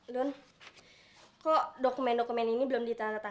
lun kok dokumen dokumen ini belum ditahan tahanin